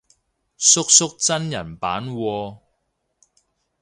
叔叔真人版喎